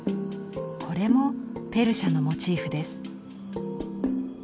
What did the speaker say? これもペルシャのモチーフです。